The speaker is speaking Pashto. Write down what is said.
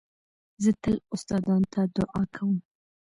زه تل استادانو ته دؤعا کوم.